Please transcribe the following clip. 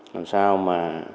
làm sao mà